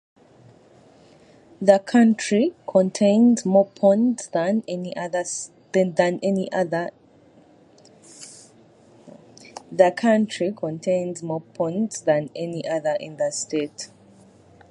The county contains more ponds than any other in the state.